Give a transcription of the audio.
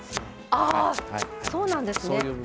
あそうなんですね。